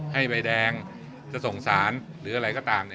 ใบแดงจะส่งสารหรืออะไรก็ตาม